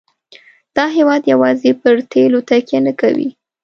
دا هېواد یوازې پر تیلو تکیه نه کوي.